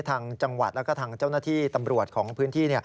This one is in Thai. ทางจังหวัดแล้วก็ทางเจ้าหน้าที่ตำรวจของพื้นที่